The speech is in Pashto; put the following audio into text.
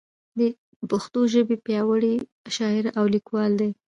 دی د پښتو ژبې پیاوړی شاعر او لیکوال دی.